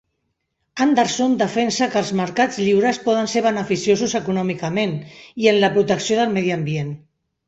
Anderson defensa que els mercats lliures poden ser beneficiosos econòmicament i en la protecció del medi ambient.